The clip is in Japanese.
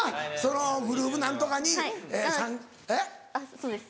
そうです。